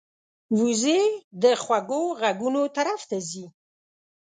وزې د خوږو غږونو طرف ته ځي